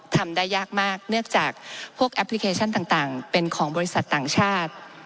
ทำได้ยากมากเนื่องจากพวกแอปพลิเคชันต่างเป็นของบริษัทต่างชาติ